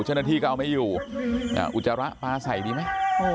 ชนที่ก็เอาไหมอยู่อุจาระปลาใส่ดีไหม